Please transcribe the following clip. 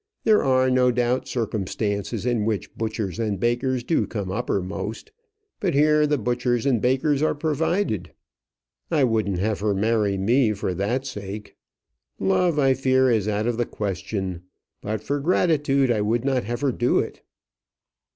There are, no doubt, circumstances in which butchers and bakers do come uppermost. But here the butchers and bakers are provided. I wouldn't have her marry me for that sake. Love, I fear, is out of the question. But for gratitude I would not have her do it."